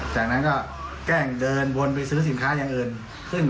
แต่ก็แกร่งเดินบนไปซื้อสินค้าอย่างอื่น